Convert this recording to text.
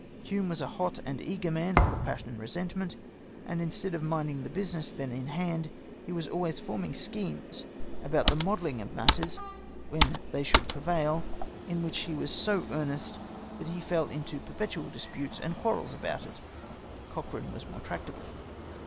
Hume was a hot and eager man, full of passion and resentment; and instead of minding the business then in hand, he was always forming schemes about the modelling of matters, when they should prevail, in which he was so earnest, that he fell into perpetual disjDutes and quarrels about it ; Cochran was more tractable.